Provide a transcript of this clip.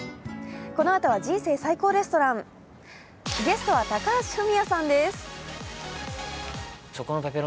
このあとは「人生最高レストラン」、ゲストは、高橋文哉さんです。